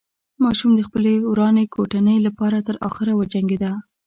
ماشوم د خپلې ورانې کوټنۍ له پاره تر اخره وجنګېده.